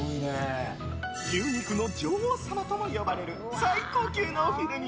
牛肉の女王様とも呼ばれる最高級のヒレ肉